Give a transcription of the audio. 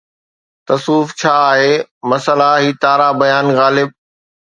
تصوف جا اهي مسئلا، هي تارا بيان غالب